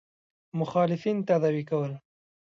مخالفین تداوي کول.